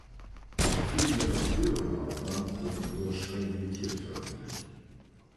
Viele ihrer früheren Aufnahmen wurden nur streng limitiert veröffentlicht.